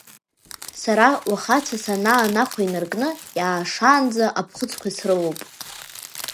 Сара, уаха ацәа санаанахәа инаркны, иаашаанӡа аԥхыӡқәа срылоуп.